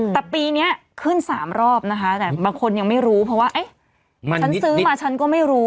แต่ปีนี้ขึ้น๓รอบนะคะแต่บางคนยังไม่รู้เพราะว่าเอ๊ะฉันซื้อมาฉันก็ไม่รู้